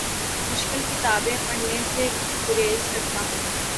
مشکل کتابیں پڑھنے سے گریز کرتا ہوں